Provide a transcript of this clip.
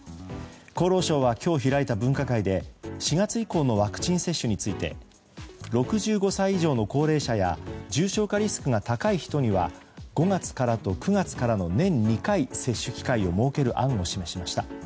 厚労省は今日開いた分科会で４月以降のワクチン接種について６５歳以上の高齢者や重症化リスクが高い人には５月からと９月からの年２回接種機会を設ける案を示しました。